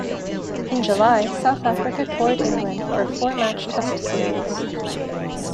In July South Africa toured England for a four-match Test series.